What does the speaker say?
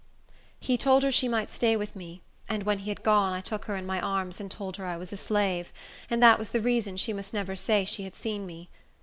He told her she might stay with me; and when he had gone, I took her in my arms and told her I was a slave, and that was the reason she must never say she had seen me.